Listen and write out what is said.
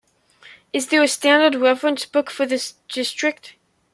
Is there a standard reference book for this district?